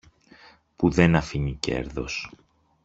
που δεν αφήνει κέρδος.